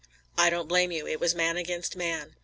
"I don't blame you. It was man against man."